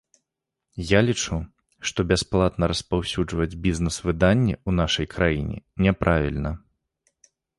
Я лічу, што бясплатна распаўсюджваць бізнэс-выданне ў нашай краіне няправільна.